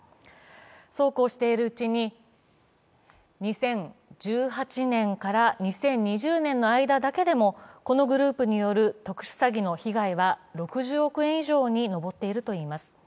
そうこうしているうちに、２０１８年から２０２０年の間だけでもこのグループによる特殊詐欺の被害は６０億円以上に上っているといいます。